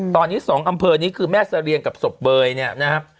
ตอนนี้๒อำเภอนี้คือแม่สะเรียงกับสบเบยนะครับ